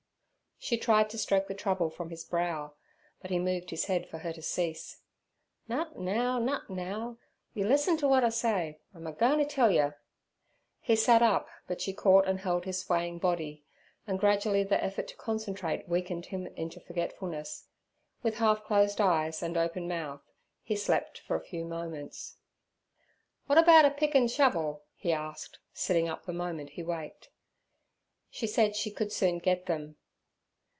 She tried to stroke the trouble from his brow, but he moved his head for her to cease. 'Nut now, nut now; you lis'en t' w'at I say. I'm a goin' t' tell yer.' He sat up, but she caught and held his swaying body, and gradually the effort to concentrate weakened him into forgetfulness. With half closed eyes and open mouth he slept for a few moments. 'W'at erbout a pick and shovel?' he asked, sitting up the moment he waked. She said she could soon get them.